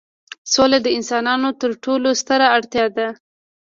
سوله د انسانانو تر ټولو ستره اړتیا ده.